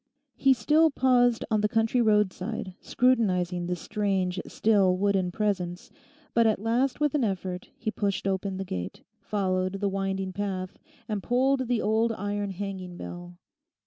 He still paused on the country roadside, scrutinising this strange, still, wooden presence; but at last with an effort he pushed open the gate, followed the winding path, and pulled the old iron hanging bell.